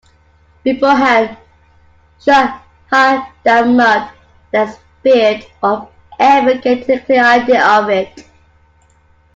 Beforehand Jacques Hadamard despaired of ever getting a clear idea of it.